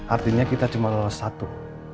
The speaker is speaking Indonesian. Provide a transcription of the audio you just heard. artinya kita cuma satu